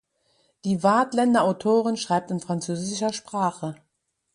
Die Waadtländer Autorin schreibt in französischer Sprache.